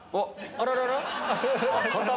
あららら。